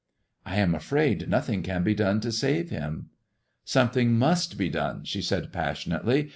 " I am afraid nothing can be done to save him." " Something must be done," she said passionately.